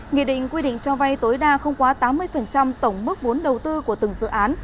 nghị định quy định cho vay tối đa không quá tám mươi tổng mức vốn đầu tư của từng dự án